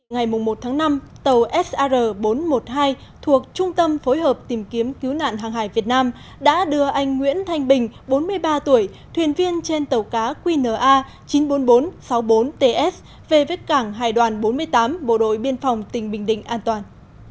ngày một tháng năm tàu sr bốn trăm một mươi hai thuộc trung tâm phối hợp tìm kiếm cứu nạn hàng hải việt nam đã đưa anh nguyễn thanh bình bốn mươi ba tuổi thuyền viên trên tàu cá qna chín mươi bốn nghìn bốn trăm sáu mươi bốn ts về với cảng hải đoàn bốn mươi tám bộ đội biên phòng tỉnh bình định an toàn